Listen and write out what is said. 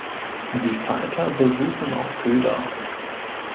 Die Falter besuchen auch Köder.